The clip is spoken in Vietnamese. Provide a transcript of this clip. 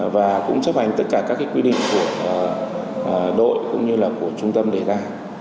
và cũng chấp hành tất cả các quy định của đội cũng như là của trung tâm đề tài